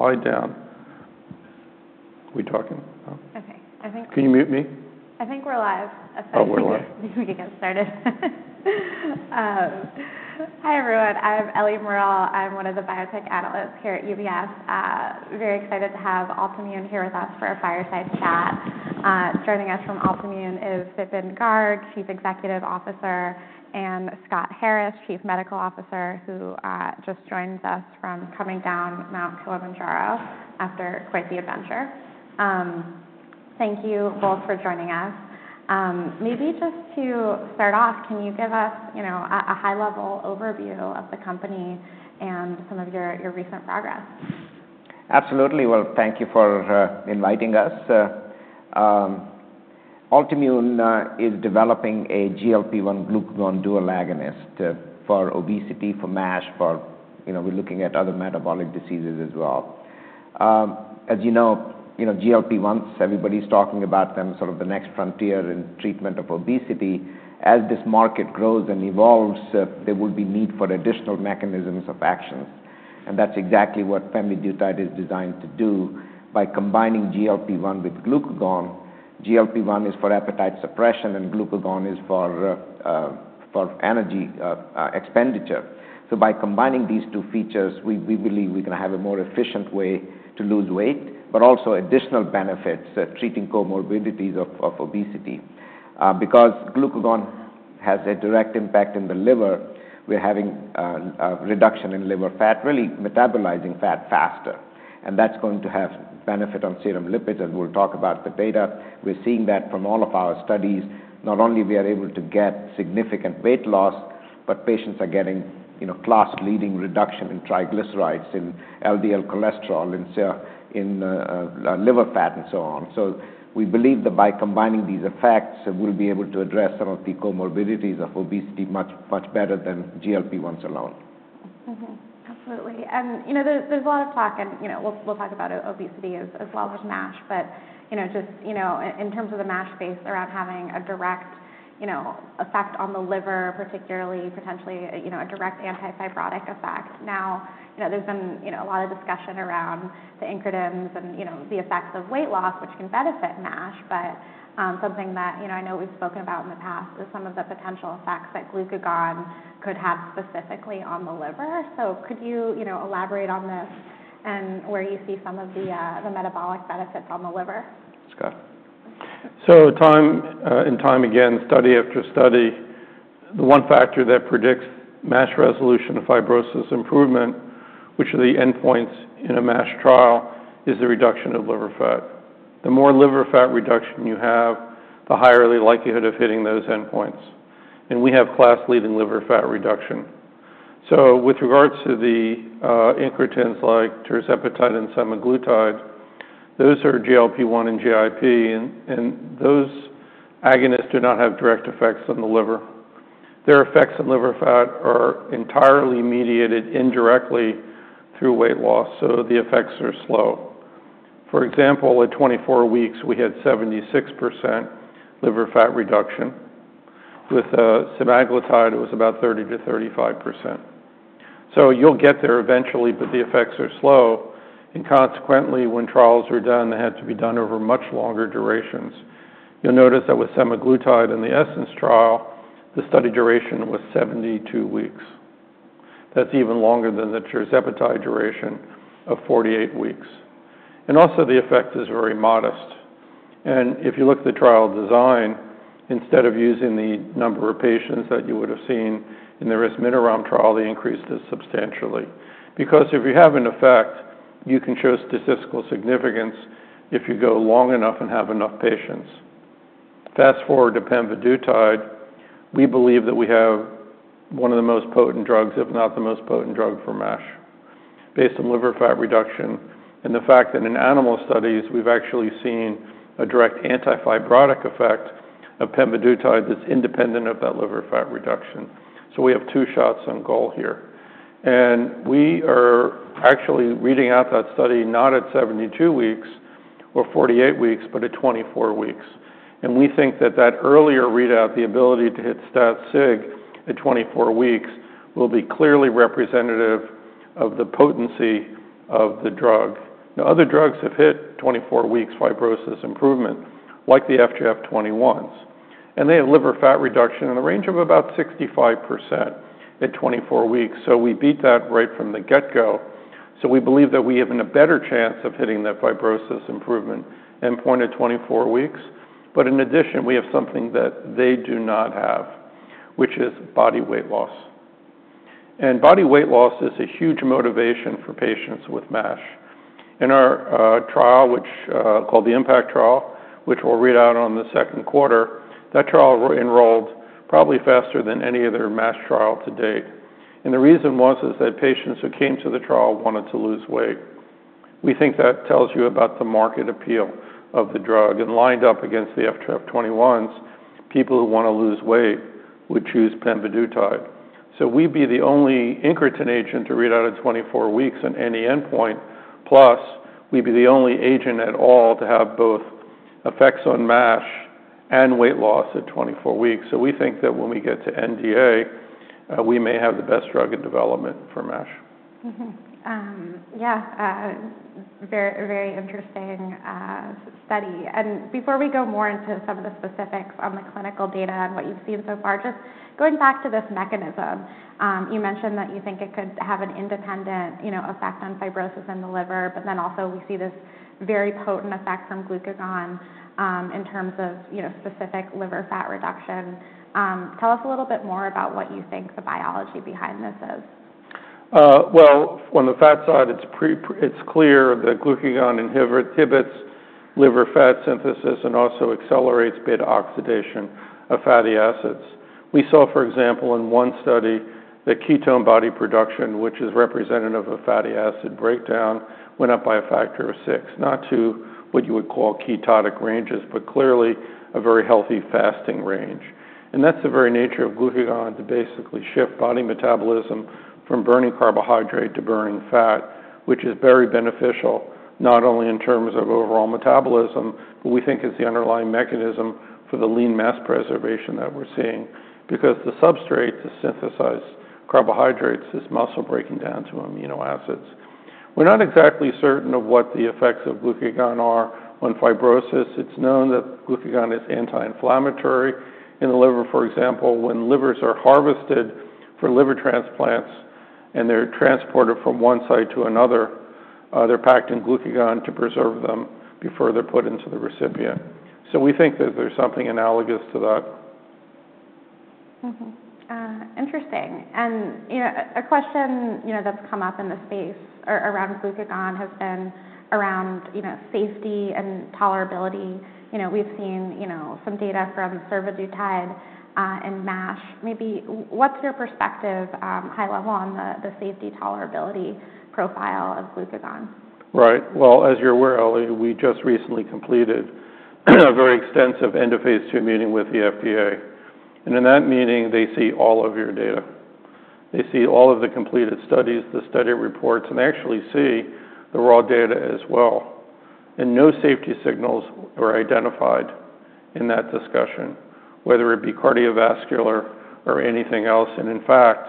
Hi, Dan. Are we talking? Okay. I think. Can you mute me? I think we're live. Oh, we're live. I think we can get started. Hi, everyone. I'm Ellie Morel. I'm one of the biotech analysts here at UBS. Very excited to have Altimmune here with us for a fireside chat. Joining us from Altimmune is Vipin Garg, Chief Executive Officer, and Scott Harris, Chief Medical Officer, who just joined us from coming down Mount Kilimanjaro after quite the adventure. Thank you both for joining us. Maybe just to start off, can you give us a high-level overview of the company and some of your recent progress? Absolutely. Well, thank you for inviting us. Altimmune is developing a GLP-1 glucagon dual agonist for obesity, for MASH, we're looking at other metabolic diseases as well. As you know, GLP-1s, everybody's talking about them, sort of the next frontier in treatment of obesity. As this market grows and evolves, there will be need for additional mechanisms of actions. And that's exactly what pemvidutide is designed to do. By combining GLP-1 with glucagon, GLP-1 is for appetite suppression, and glucagon is for energy expenditure. So by combining these two features, we believe we can have a more efficient way to lose weight, but also additional benefits at treating comorbidities of obesity. Because glucagon has a direct impact in the liver, we're having a reduction in liver fat, really metabolizing fat faster. And that's going to have benefit on serum lipids, as we'll talk about the data. We're seeing that from all of our studies. Not only are we able to get significant weight loss, but patients are getting class-leading reduction in triglycerides, in LDL cholesterol, in liver fat, and so on. So we believe that by combining these effects, we'll be able to address some of the comorbidities of obesity much better than GLP-1s alone. Absolutely, and there's a lot of talk, and we'll talk about obesity as well as MASH, but just in terms of the MASH space around having a direct effect on the liver, particularly potentially a direct anti-fibrotic effect. Now, there's been a lot of discussion around the incretins and the effects of weight loss, which can benefit MASH, but something that I know we've spoken about in the past is some of the potential effects that glucagon could have specifically on the liver, so could you elaborate on this and where you see some of the metabolic benefits on the liver? Scott. So in time, again, study after study, the one factor that predicts MASH resolution and fibrosis improvement, which are the endpoints in a MASH trial, is the reduction of liver fat. The more liver fat reduction you have, the higher the likelihood of hitting those endpoints. And we have class-leading liver fat reduction. So with regards to the incretins like tirzepatide and semaglutide, those are GLP-1 and GIP, and those agonists do not have direct effects on the liver. Their effects on liver fat are entirely mediated indirectly through weight loss, so the effects are slow. For example, at 24 weeks, we had 76% liver fat reduction. With semaglutide, it was about 30%-35%. So you'll get there eventually, but the effects are slow. And consequently, when trials were done, they had to be done over much longer durations. You'll notice that with semaglutide in the ESSENCE trial, the study duration was 72 weeks. That's even longer than the tirzepatide duration of 48 weeks. Also, the effect is very modest. If you look at the trial design, instead of using the number of patients that you would have seen in the resmetirom trial, they increased it substantially. Because if you have an effect, you can show statistical significance if you go long enough and have enough patients. Fast forward to pemvidutide, we believe that we have one of the most potent drugs, if not the most potent drug for MASH, based on liver fat reduction and the fact that in animal studies, we've actually seen a direct anti-fibrotic effect of pemvidutide that's independent of that liver fat reduction. So we have two shots on goal here. And we are actually reading out that study not at 72 weeks or 48 weeks, but at 24 weeks. And we think that that earlier readout, the ability to hit stat-sig at 24 weeks, will be clearly representative of the potency of the drug. Now, other drugs have hit 24 weeks fibrosis improvement, like the FGF21s. And they have liver fat reduction in the range of about 65% at 24 weeks. So we beat that right from the get-go. So we believe that we have a better chance of hitting that fibrosis improvement endpoint at 24 weeks. But in addition, we have something that they do not have, which is body weight loss. And body weight loss is a huge motivation for patients with MASH. In our trial, which is called the IMPACT trial, which we'll read out on the second quarter, that trial enrolled probably faster than any other MASH trial to date. And the reason was that patients who came to the trial wanted to lose weight. We think that tells you about the market appeal of the drug. And lined up against the FGF21s, people who want to lose weight would choose pemvidutide. So we'd be the only incretin agent to read out at 24 weeks on any endpoint. Plus, we'd be the only agent at all to have both effects on MASH and weight loss at 24 weeks. So we think that when we get to NDA, we may have the best drug in development for MASH. Yeah. Very interesting study, and before we go more into some of the specifics on the clinical data and what you've seen so far, just going back to this mechanism, you mentioned that you think it could have an independent effect on fibrosis in the liver, but then also we see this very potent effect from glucagon in terms of specific liver fat reduction. Tell us a little bit more about what you think the biology behind this is? On the fat side, it's clear that glucagon inhibits liver fat synthesis and also accelerates beta-oxidation of fatty acids. We saw, for example, in one study, the ketone body production, which is representative of fatty acid breakdown, went up by a factor of six, not to what you would call ketotic ranges, but clearly a very healthy fasting range. And that's the very nature of glucagon, to basically shift body metabolism from burning carbohydrate to burning fat, which is very beneficial, not only in terms of overall metabolism, but we think is the underlying mechanism for the lean mass preservation that we're seeing, because the substrate to synthesize carbohydrates is muscle breaking down to amino acids. We're not exactly certain of what the effects of glucagon are on fibrosis. It's known that glucagon is anti-inflammatory. In the liver, for example, when livers are harvested for liver transplants and they're transported from one site to another, they're packed in glucagon to preserve them before they're put into the recipient. So we think that there's something analogous to that. Interesting. And a question that's come up in the space around glucagon has been around safety and tolerability. We've seen some data from survodutide and MASH. Maybe what's your perspective, high level, on the safety tolerability profile of glucagon? Right. Well, as you're aware, Ellie, we just recently completed a very extensive end-of-phase 2 meeting with the FDA. And in that meeting, they see all of your data. They see all of the completed studies, the study reports, and they actually see the raw data as well. And no safety signals were identified in that discussion, whether it be cardiovascular or anything else. And in fact,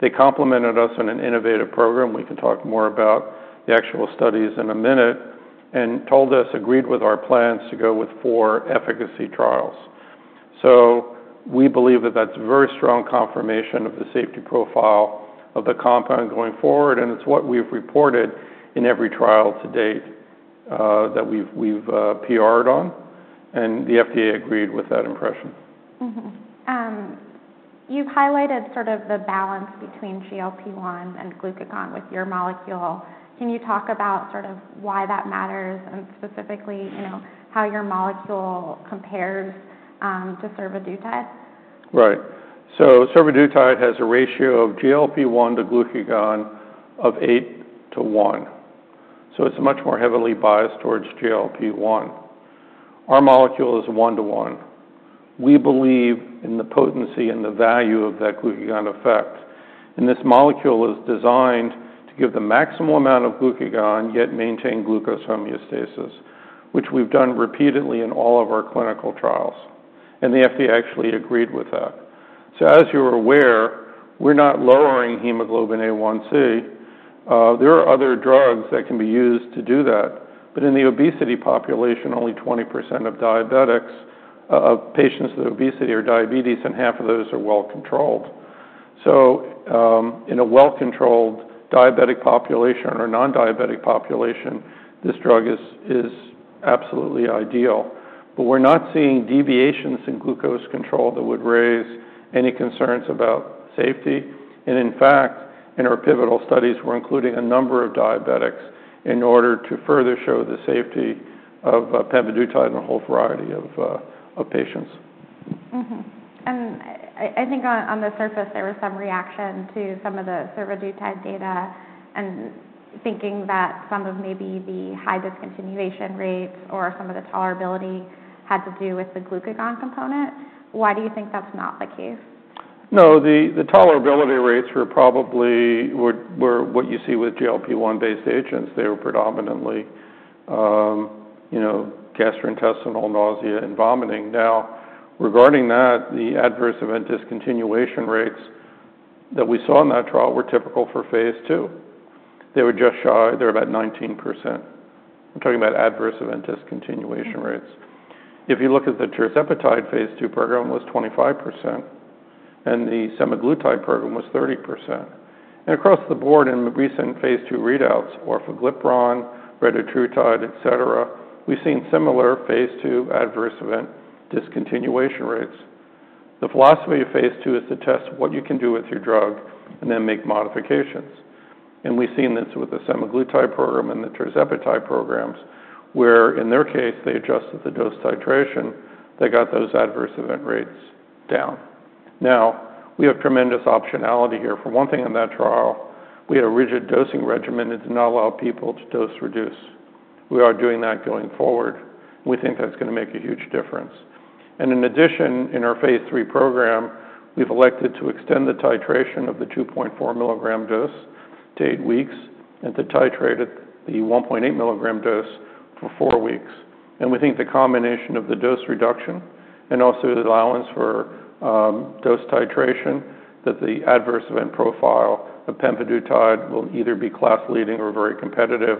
they complemented us on an innovative program. We can talk more about the actual studies in a minute and told us agreed with our plans to go with four efficacy trials. So we believe that that's very strong confirmation of the safety profile of the compound going forward, and it's what we've reported in every trial to date that we've PR'd on. And the FDA agreed with that impression. You've highlighted sort of the balance between GLP-1 and glucagon with your molecule. Can you talk about sort of why that matters and specifically how your molecule compares to survodutide? Right. So survodutide has a ratio of GLP-1 to glucagon of eight to one. So it's much more heavily biased towards GLP-1. Our molecule is one to one. We believe in the potency and the value of that glucagon effect. And this molecule is designed to give the maximum amount of glucagon, yet maintain glucose homeostasis, which we've done repeatedly in all of our clinical trials. And the FDA actually agreed with that. So as you're aware, we're not lowering hemoglobin A1c. There are other drugs that can be used to do that. But in the obesity population, only 20% of diabetics, of patients with obesity or diabetes, and half of those are well controlled. So in a well-controlled diabetic population or non-diabetic population, this drug is absolutely ideal. But we're not seeing deviations in glucose control that would raise any concerns about safety. In fact, in our pivotal studies, we're including a number of diabetics in order to further show the safety of pemvidutide in a whole variety of patients. I think on the surface, there was some reaction to some of the survodutide data and thinking that some of maybe the high discontinuation rates or some of the tolerability had to do with the glucagon component. Why do you think that's not the case? No, the tolerability rates were probably what you see with GLP-1-based agents. They were predominantly gastrointestinal nausea and vomiting. Now, regarding that, the adverse event discontinuation rates that we saw in that trial were typical for phase two. They were just shy. They're about 19%. I'm talking about adverse event discontinuation rates. If you look at the tirzepatide phase two program, it was 25%, and the semaglutide program was 30%. And across the board in recent phase two readouts, or for survodutide, retatrutide, etc., we've seen similar phase two adverse event discontinuation rates. The philosophy of phase two is to test what you can do with your drug and then make modifications. And we've seen this with the semaglutide program and the tirzepatide programs, where in their case, they adjusted the dose titration. They got those adverse event rates down. Now, we have tremendous optionality here. For one thing, in that trial, we had a rigid dosing regimen that did not allow people to dose-reduce. We are doing that going forward. We think that's going to make a huge difference. And in addition, in our phase 3 program, we've elected to extend the titration of the 2.4 milligram dose to eight weeks and to titrate it, the 1.8 milligram dose, for four weeks. And we think the combination of the dose reduction and also the allowance for dose titration, that the adverse event profile of pemvidutide will either be class-leading or very competitive.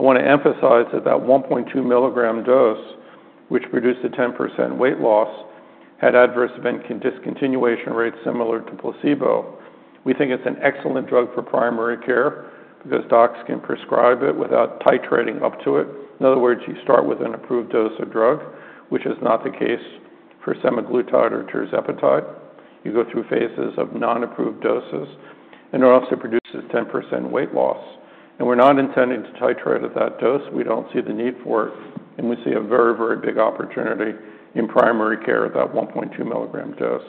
I want to emphasize that that 1.2 milligram dose, which produced a 10% weight loss, had adverse event discontinuation rates similar to placebo. We think it's an excellent drug for primary care because docs can prescribe it without titrating up to it. In other words, you start with an approved dose of drug, which is not the case for semaglutide or tirzepatide. You go through phases of non-approved doses, and it also produces 10% weight loss. And we're not intending to titrate at that dose. We don't see the need for it. And we see a very, very big opportunity in primary care at that 1.2 milligram dose.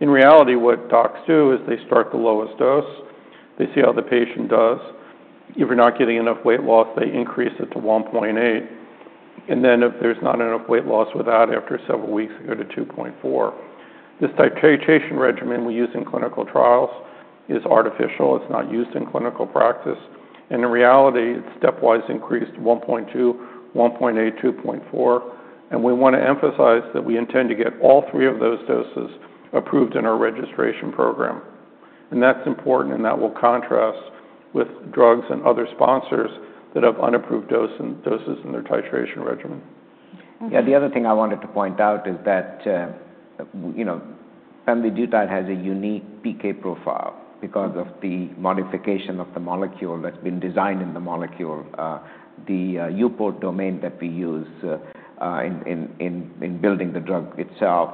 In reality, what docs do is they start the lowest dose. They see how the patient does. If you're not getting enough weight loss, they increase it to 1.8. And then if there's not enough weight loss with that, after several weeks, they go to 2.4. This titration regimen we use in clinical trials is artificial. It's not used in clinical practice. And in reality, it's stepwise increased to 1.2, 1.8, 2.4. We want to emphasize that we intend to get all three of those doses approved in our registration program. That's important, and that will contrast with drugs and other sponsors that have unapproved doses in their titration regimen. Yeah. The other thing I wanted to point out is that pemvidutide has a unique PK profile because of the modification of the molecule that's been designed in the molecule, the EuPort domain that we use in building the drug itself.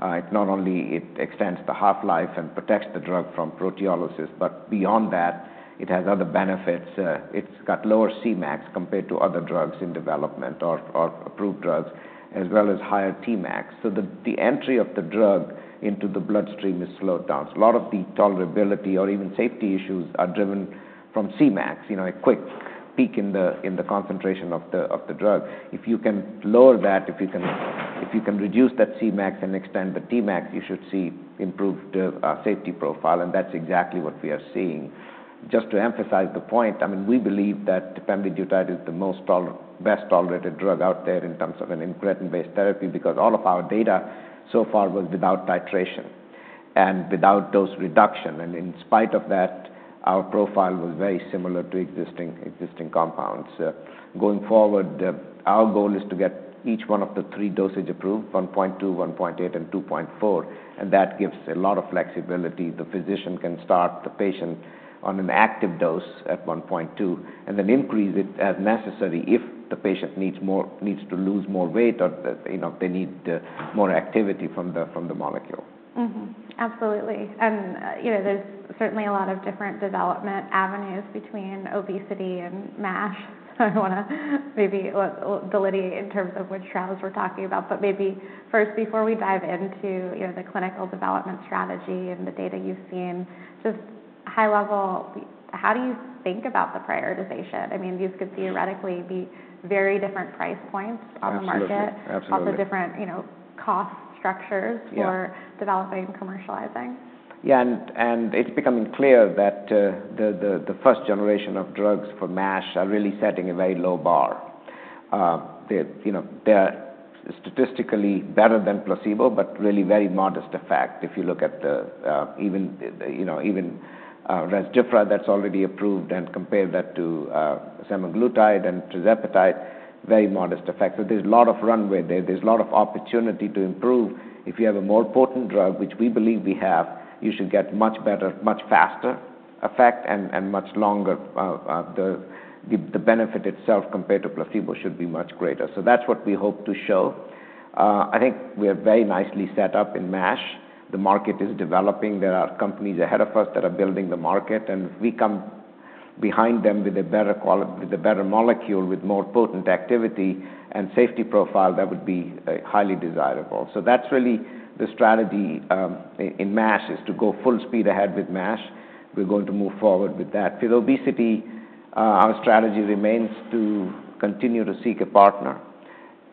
It not only extends the half-life and protects the drug from proteolysis, but beyond that, it has other benefits. It's got lower Cmaxes compared to other drugs in development or approved drugs, as well as higher Tmaxes. So the entry of the drug into the bloodstream is slowed down. So a lot of the tolerability or even safety issues are driven from Cmaxes, a quick peak in the concentration of the drug. If you can lower that, if you can reduce that Cmaxes and extend the Tmaxes, you should see improved safety profile. And that's exactly what we are seeing. Just to emphasize the point, I mean, we believe that pemvidutide is the most best tolerated drug out there in terms of an incretin-based therapy because all of our data so far was without titration and without dose reduction, and in spite of that, our profile was very similar to existing compounds. Going forward, our goal is to get each one of the three dosage approved, 1.2, 1.8, and 2.4 and that gives a lot of flexibility. The physician can start the patient on an active dose at 1.2 and then increase it as necessary if the patient needs to lose more weight or they need more activity from the molecule. Absolutely. And there's certainly a lot of different development avenues between obesity and MASH. So I want to maybe delineate in terms of which trials we're talking about. But maybe first, before we dive into the clinical development strategy and the data you've seen, just high level, how do you think about the prioritization? I mean, these could theoretically be very different price points on the market. Absolutely. Also different cost structures for developing and commercializing. Yeah. And it's becoming clear that the first generation of drugs for MASH are really setting a very low bar. They're statistically better than placebo, but really very modest effect. If you look at even Rezdiffra, that's already approved, and compare that to semaglutide and tirzepatide, very modest effect. So there's a lot of runway there. There's a lot of opportunity to improve. If you have a more potent drug, which we believe we have, you should get much better, much faster effect and much longer. The benefit itself compared to placebo should be much greater. So that's what we hope to show. I think we are very nicely set up in MASH. The market is developing. There are companies ahead of us that are building the market. And if we come behind them with a better molecule with more potent activity and safety profile, that would be highly desirable. So that's really the strategy in MASH: to go full speed ahead with MASH. We're going to move forward with that. For the obesity, our strategy remains to continue to seek a partner.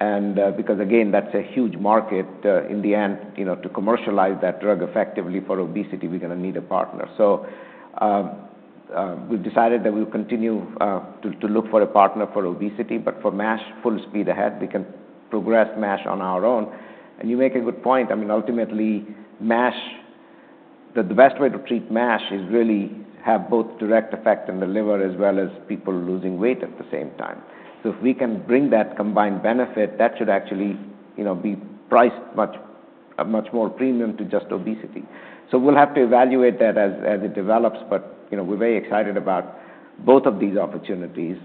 And because, again, that's a huge market. In the end, to commercialize that drug effectively for obesity, we're going to need a partner. So we've decided that we'll continue to look for a partner for obesity. But for MASH, full speed ahead. We can progress MASH on our own. And you make a good point. I mean, ultimately, the best way to treat MASH is really to have both direct effect in the liver as well as people losing weight at the same time. So if we can bring that combined benefit, that should actually be priced much more premium to just obesity. So we'll have to evaluate that as it develops. But we're very excited about both of these opportunities.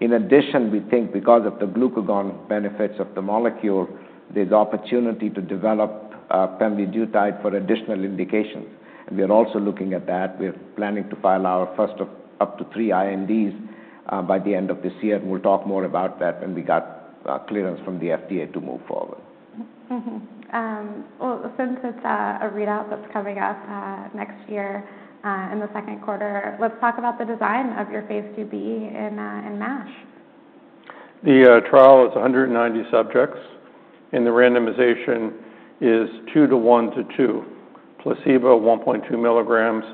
In addition, we think because of the glucagon benefits of the molecule, there's opportunity to develop pemvidutide for additional indications. And we are also looking at that. We're planning to file our first up to three INDs by the end of this year. And we'll talk more about that when we got clearance from the FDA to move forward. Since it's a readout that's coming up next year in the second quarter, let's talk about the design of your phase 2b in MASH. The trial is 190 subjects, and the randomization is 2 to 1 to 2, placebo 1.2 milligrams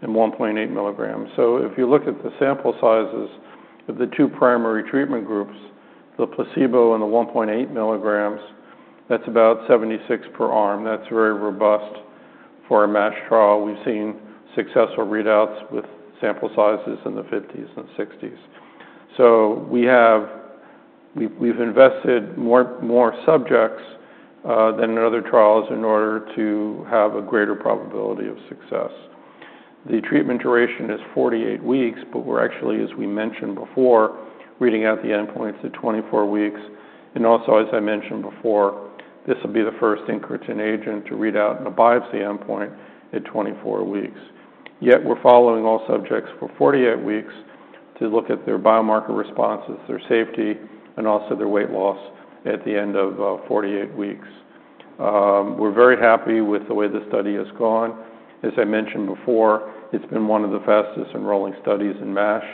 and 1.8 milligrams. So if you look at the sample sizes of the two primary treatment groups, the placebo and the 1.8 milligrams, that's about 76 per arm. That's very robust for a MASH trial. We've seen successful readouts with sample sizes in the 50s and 60s. So we've invested more subjects than in other trials in order to have a greater probability of success. The treatment duration is 48 weeks, but we're actually, as we mentioned before, reading out the endpoints at 24 weeks. And also, as I mentioned before, this will be the first incretin agent to read out in a biopsy endpoint at 24 weeks. Yet we're following all subjects for 48 weeks to look at their biomarker responses, their safety, and also their weight loss at the end of 48 weeks. We're very happy with the way the study has gone. As I mentioned before, it's been one of the fastest enrolling studies in MASH.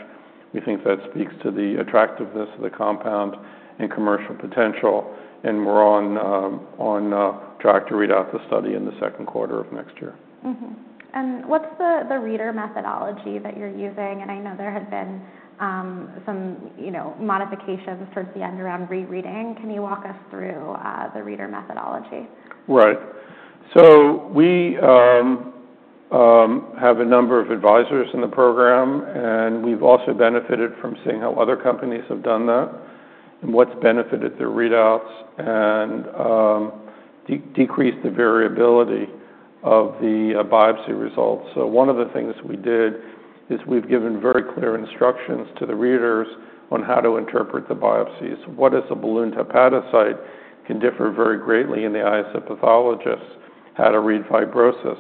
We think that speaks to the attractiveness of the compound and commercial potential, and we're on track to read out the study in the second quarter of next year. What's the reader methodology that you're using? I know there had been some modifications towards the end around rereading. Can you walk us through the reader methodology? Right. So we have a number of advisors in the program, and we've also benefited from seeing how other companies have done that and what's benefited their readouts and decreased the variability of the biopsy results. So one of the things we did is we've given very clear instructions to the readers on how to interpret the biopsies. What is a ballooned hepatocyte can differ very greatly in the eyes of pathologists, how to read fibrosis.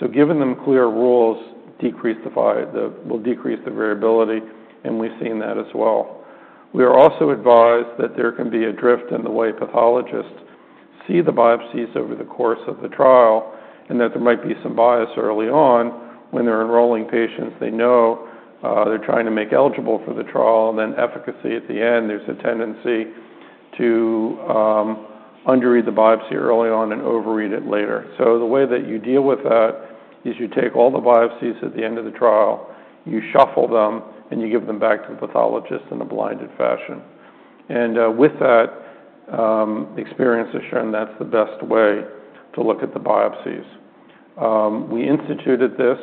So giving them clear rules will decrease the variability, and we've seen that as well. We are also advised that there can be a drift in the way pathologists see the biopsies over the course of the trial and that there might be some bias early on when they're enrolling patients. They know they're trying to make eligible for the trial, and then efficacy at the end, there's a tendency to underread the biopsy early on and overread it later, so the way that you deal with that is you take all the biopsies at the end of the trial, you shuffle them, and you give them back to the pathologist in a blinded fashion. And with that, experience has shown that's the best way to look at the biopsies. We instituted this.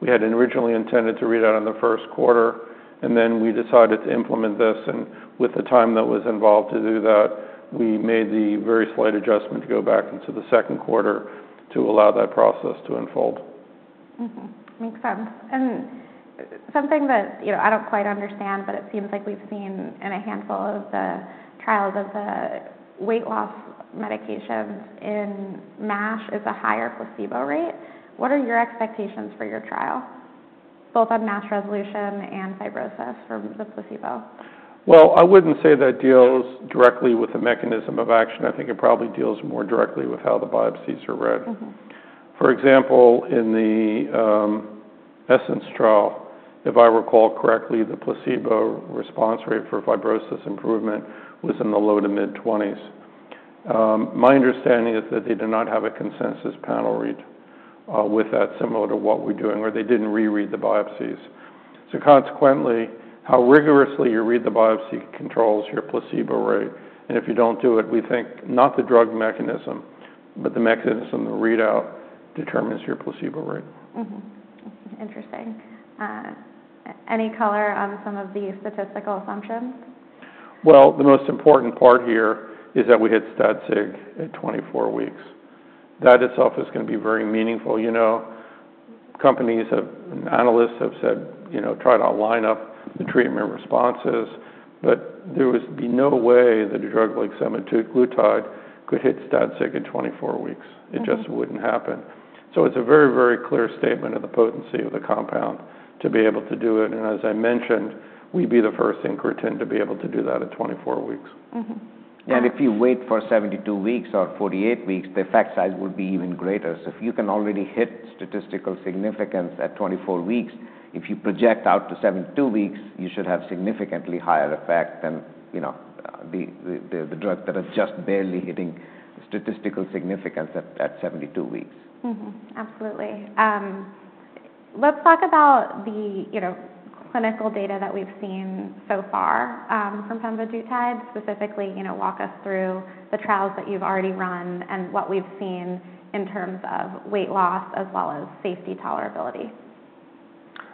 We had originally intended to read out in the first quarter, and then we decided to implement this, and with the time that was involved to do that, we made the very slight adjustment to go back into the second quarter to allow that process to unfold. Makes sense. And something that I don't quite understand, but it seems like we've seen in a handful of the trials of the weight loss medications in MASH is a higher placebo rate. What are your expectations for your trial, both on MASH resolution and fibrosis from the placebo? I wouldn't say that deals directly with the mechanism of action. I think it probably deals more directly with how the biopsies are read. For example, in the ESSENCE trial, if I recall correctly, the placebo response rate for fibrosis improvement was in the low to mid-20s. My understanding is that they did not have a consensus panel read with that similar to what we're doing, or they didn't reread the biopsies. So consequently, how rigorously you read the biopsy controls your placebo rate. And if you don't do it, we think not the drug mechanism, but the mechanism. The readout determines your placebo rate. Interesting. Any color on some of these statistical assumptions? The most important part here is that we had stat sig at 24 weeks. That itself is going to be very meaningful. Companies and analysts have said, "Try to align up the treatment responses," but there would be no way that a drug like semaglutide could hit stat sig at 24 weeks. It just wouldn't happen, so it's a very, very clear statement of the potency of the compound to be able to do it, and as I mentioned, we'd be the first incretin to be able to do that at 24 weeks. If you wait for 72 weeks or 48 weeks, the effect size will be even greater. If you can already hit statistical significance at 24 weeks, if you project out to 72 weeks, you should have significantly higher effect than the drug that is just barely hitting statistical significance at 72 weeks. Absolutely. Let's talk about the clinical data that we've seen so far from pemvidutide, specifically walk us through the trials that you've already run and what we've seen in terms of weight loss as well as safety tolerability.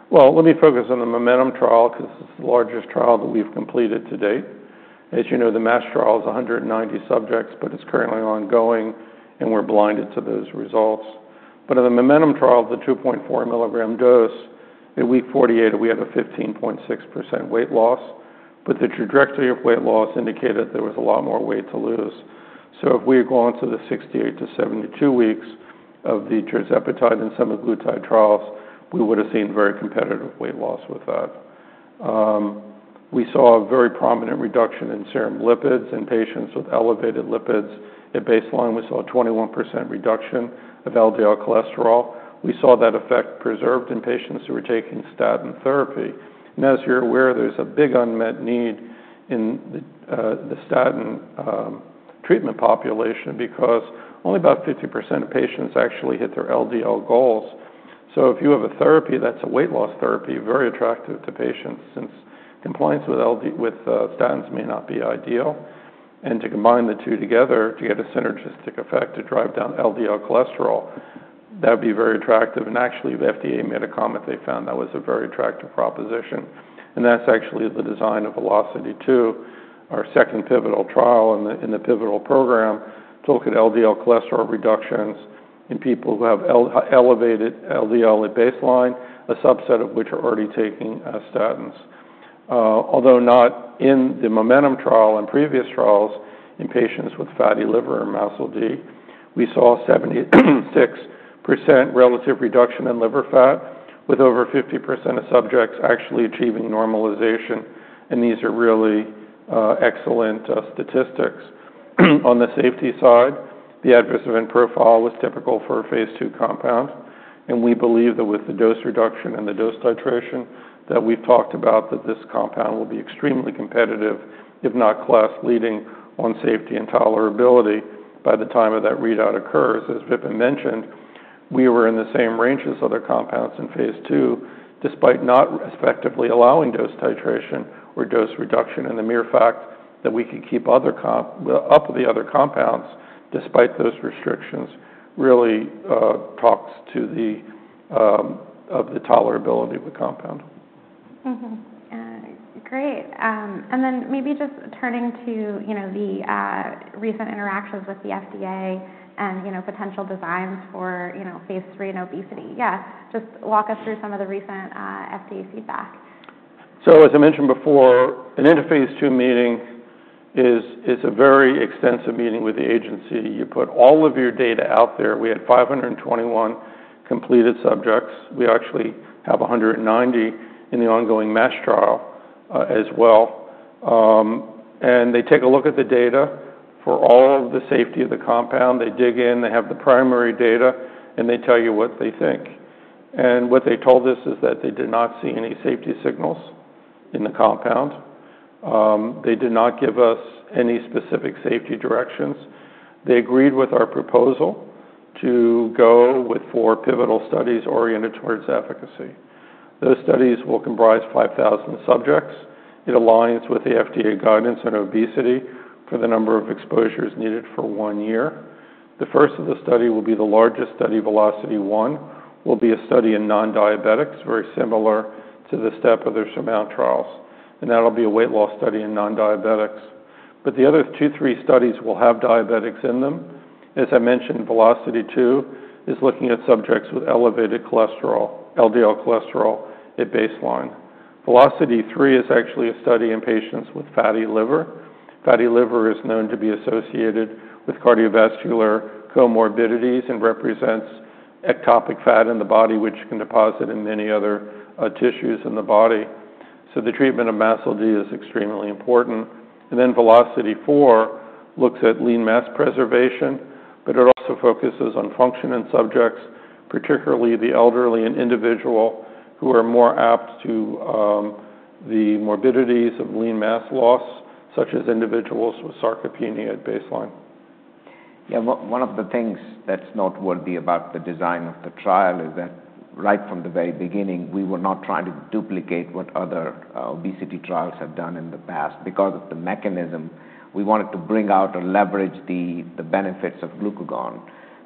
Let me focus on the MOMENTUM trial because it's the largest trial that we've completed to date. As you know, the MASH trial is 190 subjects, but it's currently ongoing, and we're blinded to those results. In the momentum trial, the 2.4 milligram dose, at week 48, we had a 15.6% weight loss. The trajectory of weight loss indicated there was a lot more weight to lose. If we had gone to the 68 to 72 weeks of the tirzepatide and semaglutide trials, we would have seen very competitive weight loss with that. We saw a very prominent reduction in serum lipids in patients with elevated lipids. At baseline, we saw a 21% reduction of LDL cholesterol. We saw that effect preserved in patients who were taking statin therapy. As you're aware, there's a big unmet need in the statin treatment population because only about 50% of patients actually hit their LDL goals. So if you have a therapy that's a weight loss therapy, very attractive to patients since compliance with statins may not be ideal. To combine the two together to get a synergistic effect to drive down LDL cholesterol, that would be very attractive. Actually, the FDA made a comment. They found that was a very attractive proposition. That's actually the design of VELOCITY-2, our second pivotal trial in the pivotal program to look at LDL cholesterol reductions in people who have elevated LDL at baseline, a subset of which are already taking statins. Although not in the MOMENTUM trial and previous trials in patients with fatty liver or MASLD, we saw a 76% relative reduction in liver fat with over 50% of subjects actually achieving normalization. These are really excellent statistics. On the safety side, the adverse event profile was typical for a phase 2 compound. We believe that with the dose reduction and the dose titration that we've talked about, that this compound will be extremely competitive, if not class-leading on safety and tolerability by the time of that readout occurs. As Vipin mentioned, we were in the same range as other compounds in phase 2, despite not effectively allowing dose titration or dose reduction. The mere fact that we could keep up with the other compounds despite those restrictions really talks to the tolerability of the compound. Great, and then maybe just turning to the recent interactions with the FDA and potential designs for phase three and obesity. Yeah, just walk us through some of the recent FDA feedback. As I mentioned before, an end-of-phase 2 meeting is a very extensive meeting with the agency. You put all of your data out there. We had 521 completed subjects. We actually have 190 in the ongoing MASH trial as well. They take a look at the data for all of the safety of the compound. They dig in. They have the primary data, and they tell you what they think. What they told us is that they did not see any safety signals in the compound. They did not give us any specific safety directions. They agreed with our proposal to go with four pivotal studies oriented towards efficacy. Those studies will comprise 5,000 subjects. It aligns with the FDA guidance on obesity for the number of exposures needed for one year. The first of the study will be the largest study, VELOCITY-1. It will be a study in non-diabetics, very similar to the STEP other SURMOUNT trials. And that will be a weight loss study in non-diabetics. But the other two, three studies will have diabetics in them. As I mentioned, VELOCITY-2 is looking at subjects with elevated LDL cholesterol at baseline. VELOCITY-3 is actually a study in patients with fatty liver. Fatty liver is known to be associated with cardiovascular comorbidities and represents ectopic fat in the body, which can deposit in many other tissues in the body. So the treatment of MASLD is extremely important. And then VELOCITY-4 looks at lean mass preservation, but it also focuses on function in subjects, particularly the elderly and individuals who are more apt to the morbidities of lean mass loss, such as individuals with sarcopenia at baseline. Yeah, one of the things that's noteworthy about the design of the trial is that right from the very beginning, we were not trying to duplicate what other obesity trials have done in the past because of the mechanism. We wanted to bring out and leverage the benefits of glucagon.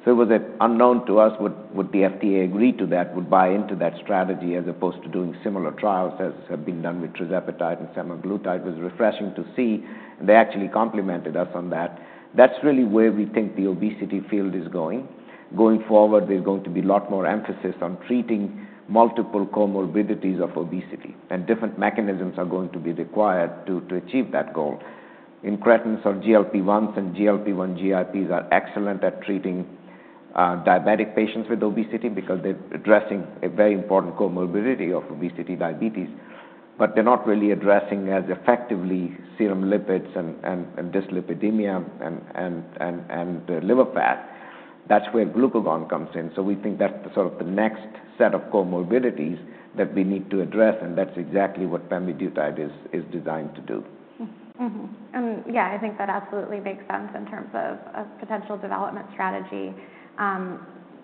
So it was unknown to us would the FDA agree to that, would buy into that strategy as opposed to doing similar trials as have been done with tirzepatide and semaglutide. It was refreshing to see, and they actually complimented us on that. That's really where we think the obesity field is going. Going forward, there's going to be a lot more emphasis on treating multiple comorbidities of obesity, and different mechanisms are going to be required to achieve that goal. Incretins or GLP-1s and GLP-1 GIPs are excellent at treating diabetic patients with obesity because they're addressing a very important comorbidity of obesity diabetes. But they're not really addressing as effectively serum lipids and dyslipidemia and liver fat. That's where glucagon comes in. So we think that's sort of the next set of comorbidities that we need to address, and that's exactly what pemvidutide is designed to do. Yeah, I think that absolutely makes sense in terms of a potential development strategy.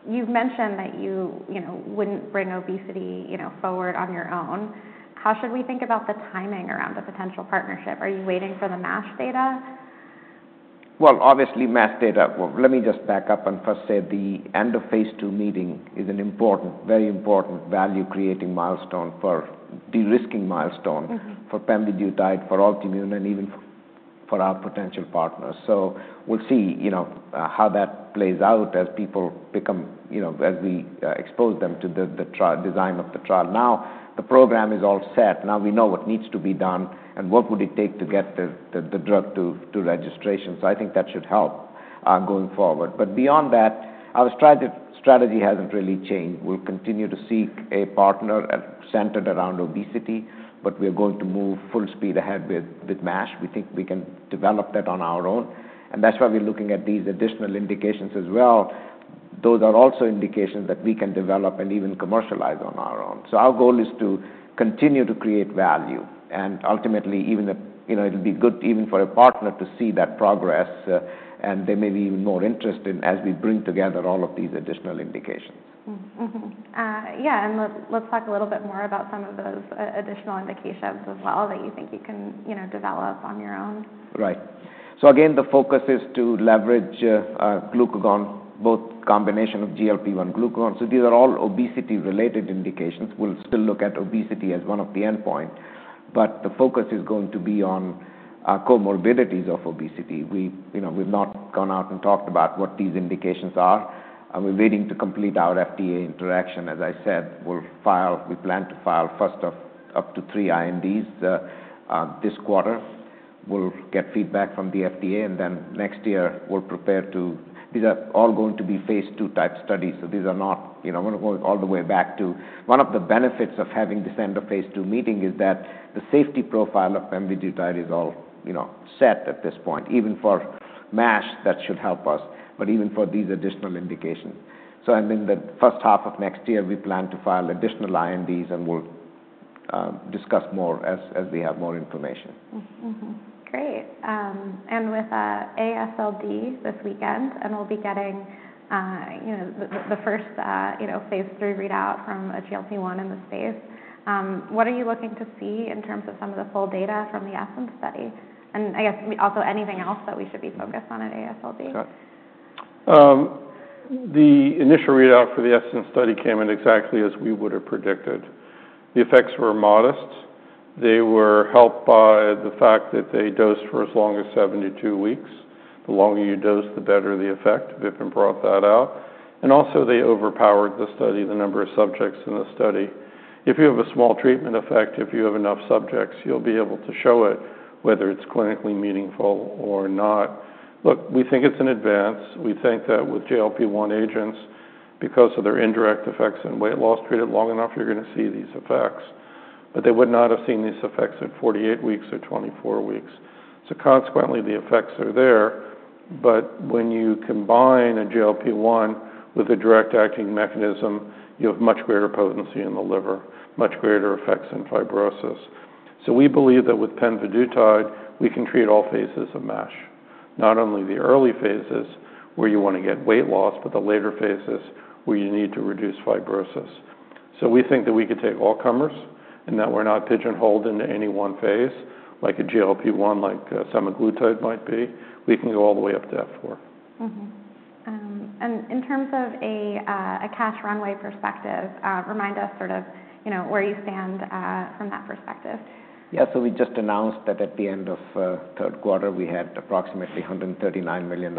You've mentioned that you wouldn't bring obesity forward on your own. How should we think about the timing around a potential partnership? Are you waiting for the MASH data? Obviously, MASH data. Let me just back up and first say the end-of-phase 2 meeting is an important, very important value-creating milestone for de-risking milestone for pemvidutide, for Altimmune, and even for our potential partners. So we'll see how that plays out as people become, as we expose them to the design of the trial. Now the program is all set. Now we know what needs to be done and what would it take to get the drug to registration. So I think that should help going forward. But beyond that, our strategy hasn't really changed. We'll continue to seek a partner centered around obesity, but we're going to move full speed ahead with MASH. We think we can develop that on our own. And that's why we're looking at these additional indications as well. Those are also indications that we can develop and even commercialize on our own. So our goal is to continue to create value. And ultimately, it'll be good even for a partner to see that progress, and there may be even more interest in as we bring together all of these additional indications. Yeah, and let's talk a little bit more about some of those additional indications as well that you think you can develop on your own. Right. So again, the focus is to leverage glucagon, both combination of GLP-1 glucagon. So these are all obesity-related indications. We'll still look at obesity as one of the endpoints, but the focus is going to be on comorbidities of obesity. We've not gone out and talked about what these indications are. We're waiting to complete our FDA interaction. As I said, we plan to file first up to three INDs this quarter. We'll get feedback from the FDA, and then next year, we'll prepare. These are all going to be phase two type studies. So we're going all the way back to one of the benefits of having this end-of-phase two meeting is that the safety profile of pemvidutide is all set at this point. Even for MASH, that should help us, but even for these additional indications. So in the first half of next year, we plan to file additional INDs, and we'll discuss more as we have more information. Great and with AASLD this weekend, and we'll be getting the first phase 3 readout from a GLP-1 in the space. What are you looking to see in terms of some of the full data from the ESSENCE study, and I guess also anything else that we should be focused on at AASLD? The initial readout for the ESSENCE study came in exactly as we would have predicted. The effects were modest. They were helped by the fact that they dosed for as long as 72 weeks. The longer you dose, the better the effect. Vipin brought that out. And also, they overpowered the study, the number of subjects in the study. If you have a small treatment effect, if you have enough subjects, you'll be able to show it, whether it's clinically meaningful or not. Look, we think it's in advance. We think that with GLP-1 agents, because of their indirect effects in weight loss, treated long enough, you're going to see these effects. But they would not have seen these effects at 48 weeks or 24 weeks. So consequently, the effects are there. But when you combine a GLP-1 with a direct-acting mechanism, you have much greater potency in the liver, much greater effects in fibrosis. So we believe that with pemvidutide, we can treat all phases of MASH, not only the early phases where you want to get weight loss, but the later phases where you need to reduce fibrosis. So we think that we could take all comers and that we're not pigeonholed into any one phase like a GLP-1 like semaglutide might be. We can go all the way up to F4. In terms of a cash runway perspective, remind us sort of where you stand from that perspective. Yeah, so we just announced that at the end of third quarter, we had approximately $139 million.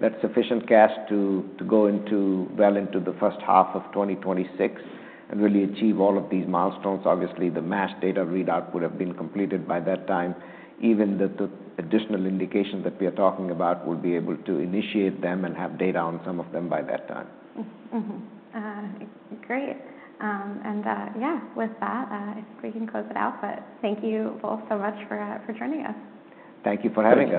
That's sufficient cash to go well into the first half of 2026 and really achieve all of these milestones. Obviously, the MASH data readout would have been completed by that time. Even the additional indications that we are talking about, we'll be able to initiate them and have data on some of them by that time. Great. And yeah, with that, I think we can close it out. But thank you both so much for joining us. Thank you for having us.